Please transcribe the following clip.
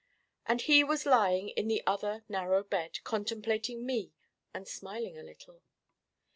And he was lying in the other narrow bed contemplating me and smiling a little.